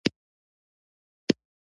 تکلیف، ستړیا، او نابلدي ورسره مل دي.